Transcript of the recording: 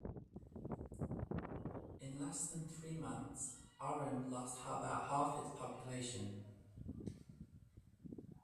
In less than three months, Oran lost about half its population.